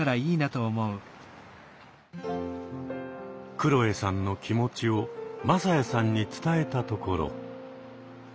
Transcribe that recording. くろえさんの気持ちを匡哉さんに伝えたところ。